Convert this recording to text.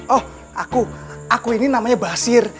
oh aku aku ini namanya basir